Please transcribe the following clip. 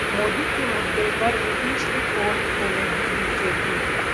मोदी के मुद्दे पर नीतीश की पोल खोलेगी बीजेपी